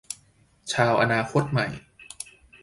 ชาวอนาคตใหม่